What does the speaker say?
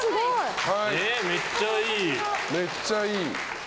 めっちゃいい。